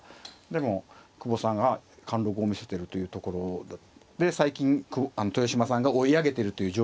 でも久保さんが貫禄を見せてるというところで最近豊島さんが追い上げてるという状況じゃないですかね恐らく。